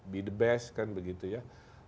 be the best kan begitu ya